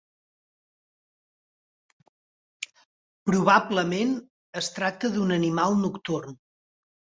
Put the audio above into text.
Probablement es tracta d'un animal nocturn.